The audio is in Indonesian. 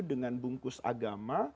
dengan bungkus agama